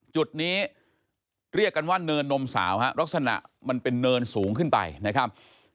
จุดนี้เรียกกันว่าเนินนมสาวฮะลักษณะมันเป็นเนินสูงขึ้นไปนะครับ